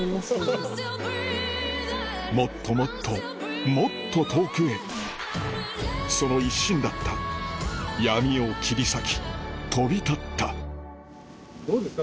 もっともっともっと遠くへその一心だった闇を切り裂き飛び立ったどうですか？